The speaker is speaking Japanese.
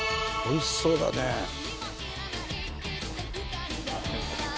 おいしそうだね。